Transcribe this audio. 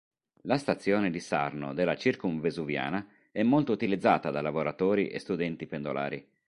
La stazione di Sarno della Circumvesuviana è molto utilizzata da lavoratori e studenti pendolari.